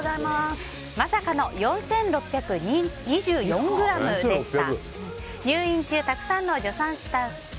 まさかの４６２４ｇでした。